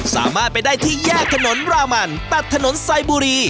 สามารถไปได้ที่แยกถนนรามันตัดถนนไซบุรี